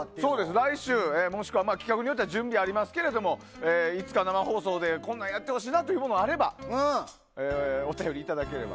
来週、もしくは企画によっては準備がありますけどいつか生放送でこんなのやってほしいなというのがあればお便りいただければ。